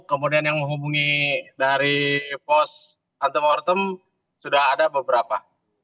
kemudian yang menghubungi dari pos antemortem sudah ada beberapa